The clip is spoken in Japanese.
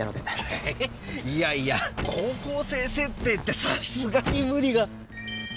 えっいやいや高校生設定ってさすがに無理が。